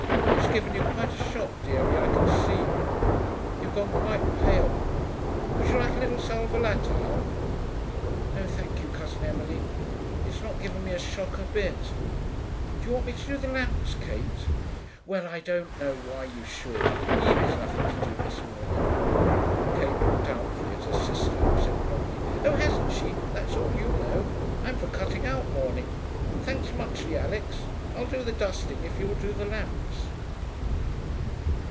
It's given you quite a shock, dearie, I can see. You've gone quite pale. Would you like a little sal volatile?' 'No thank you, Cousin Emily. It's not given me a shock a bit.... Do you want me to do the lamps, Kate?' 'Well I don't know why you should. Evie's nothing to do this morning....' Kate looked doubtfully at her sister, who said promptly, 'Oh, hasn't she? That's all you know. I'm for a cutting out morning. Thanks muchly, Alix; I'll do the dusting if you'll do the lamps.'